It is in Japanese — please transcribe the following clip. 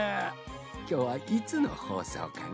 きょうはいつのほうそうかのう？